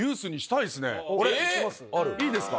いいですか？